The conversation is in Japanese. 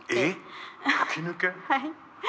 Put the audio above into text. はい。